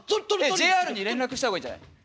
ＪＲに連絡した方がいいんじゃない？